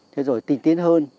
thế rồi tinh tiến hơn